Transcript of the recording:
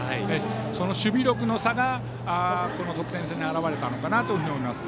その守備力の差が、この得点差に表れたのかなと思います。